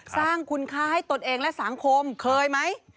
สร้างคุณค่าให้ตนเองและสังคมเคยไหม